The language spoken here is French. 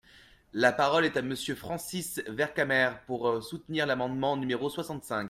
La parole est à Monsieur Francis Vercamer, pour soutenir l’amendement numéro soixante-cinq.